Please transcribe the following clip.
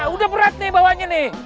udah berat nih bawanya nih